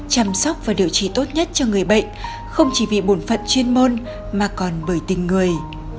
chăm sóc và điều trị tốt nhất cho người bệnh không chỉ vì bộn phận chuyên môn mà còn bởi tình người